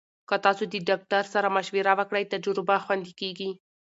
که تاسو د ډاکټر سره مشوره وکړئ، تجربه خوندي کېږي.